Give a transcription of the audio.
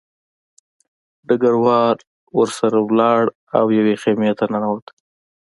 ډګروال ورسره لاړ او یوې خیمې ته ننوت